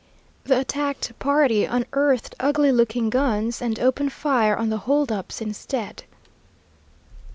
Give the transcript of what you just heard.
The attacked party unearthed ugly looking guns and opened fire on the hold ups instead.